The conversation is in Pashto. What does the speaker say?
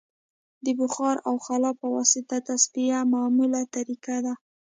د بخار او خلا په واسطه تصفیه معموله طریقه ده